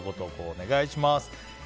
お願いします。